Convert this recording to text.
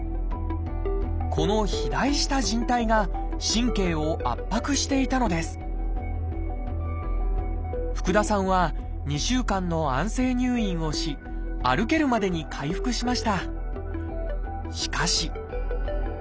この肥大したじん帯が神経を圧迫していたのです福田さんは２週間の安静入院をし歩けるまでに回復しました。